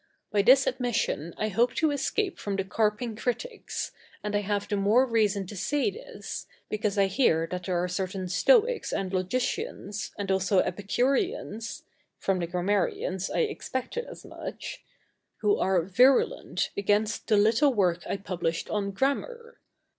By this admission I hope to escape from the carping critics, and I have the more reason to say this, because I hear that there are certain Stoics and Logicians, and also Epicureans (from the Grammarians I expected as much), who are virulent against the little work I published on Grammar.